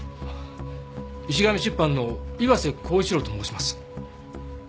石神出版の岩瀬厚一郎と申します。